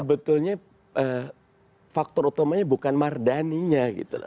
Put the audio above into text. sebetulnya faktor utamanya bukan mardaninya gitu loh